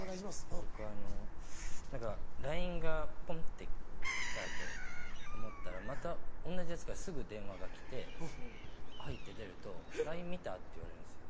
僕あの何かＬＩＮＥがポンって来たと思ったらまた同じヤツからすぐ電話が来て「はい」って出ると「ＬＩＮＥ見た？」って言われるんですよ。